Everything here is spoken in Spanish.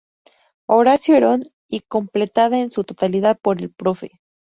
Horacio Herón y completada en su totalidad por el prof.